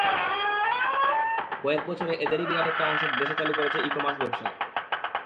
কয়েক বছরে এদেরই বিরাট একটা অংশ দেশে চালু করেছে ই-কমার্স ব্যবসা।